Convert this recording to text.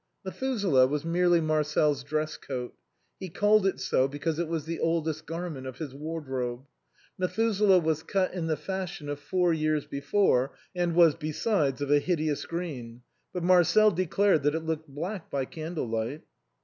" Methuselah " was merely Marcel's dress coat, he called it so because it was the oldest garment of his wardrobe. " Methuselah " was cut in the fashion of four years before, and was, besides, of a hideous green, but Marcel declared that it looked black by candlelight.